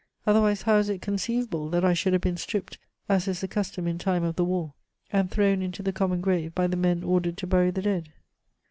Otherwise how is it conceivable that I should have been stripped, as is the custom in time of the war, and thrown into the common grave by the men ordered to bury the dead?